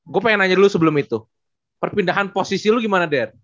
gue pengen nanya dulu sebelum itu perpindahan posisi lu gimana dea